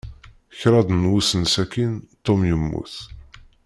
Kṛaḍ n wussan sakin, Tom yemmut.